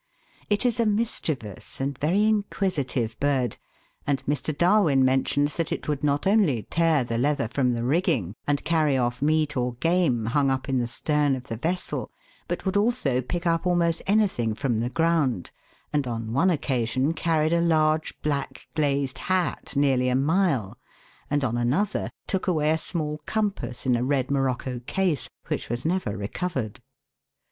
It is a mischievous and very inquisitive bird, and Mr. Darwin mentions that it would not only tear the leather from the rigging and carry off meat or game hung up in the stern of the vessel, but would also pick up almost anything from the ground, and on one occasion carried a large black glazed hat nearly a mile, and on another took away a small compass in a red morocco case, which was never recovered.